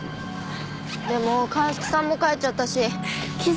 でも鑑識さんも帰っちゃったし機材もないし。